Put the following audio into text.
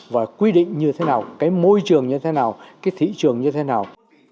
và quy định như thế nào cái môi trường như thế nào cái thị trường như thế nào